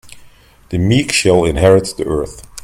The meek shall inherit the earth.